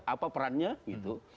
apa perannya gitu